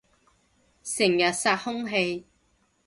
成日殺空氣